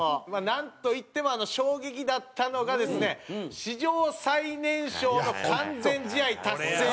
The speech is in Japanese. なんといっても衝撃だったのがですね史上最年少の完全試合達成という。